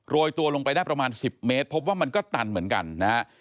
ยตัวลงไปได้ประมาณ๑๐เมตรพบว่ามันก็ตันเหมือนกันนะฮะ